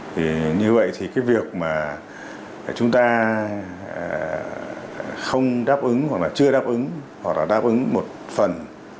thì như vậy thì cái việc mà chúng ta không đáp ứng hoặc là chưa đáp ứng hoặc là đáp ứng một phần